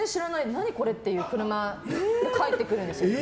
何これ？っていう車で帰ってくるんですよ。